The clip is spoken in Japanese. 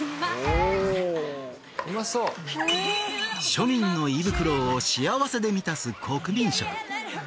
おおウマそう庶民の胃袋を幸せで満たす国民食